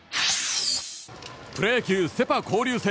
プロ野球セ・パ交流戦。